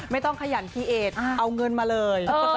ไม่ต้องขยันพี่เอดเอาเงินมาเลย